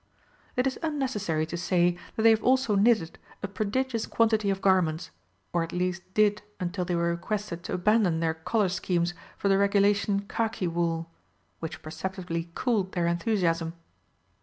It is unnecessary to say that they have also knitted a prodigious quantity of garments, or at least did until they were requested to abandon their colour schemes for the regulation khaki wool which perceptibly cooled their enthusiasm.